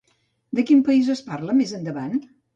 De quin país es parla més endavant?